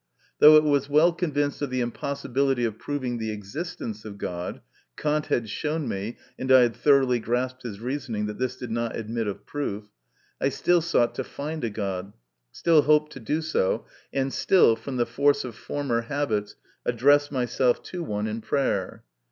Though I was well convinced of the impossibility of proving the existence of God Kant had shown me, and I had thoroughly grasped his reasoning, that this did not admit of proof I still sought to find a God, still hoped to do so, and still, from the force of former habits, addressed myself to one in prayer.